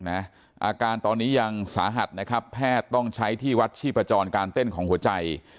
อาการตอนนี้ยังสาหัสนะครับแพทย์ต้องใช้ที่วัดชีพจรการเต้นของหัวใจ